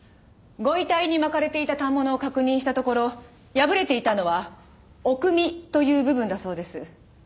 ご遺体に巻かれていた反物を確認したところ破れていたのは「おくみ」という部分だそうです。